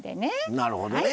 なるほどね。